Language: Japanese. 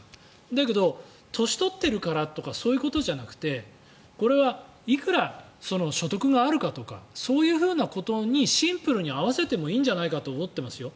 だけど、年を取っているからとかそういうことじゃなくてこれはいくら所得があるからとかそういうことにシンプルに合わせてもいいんじゃないかと思っていますよ。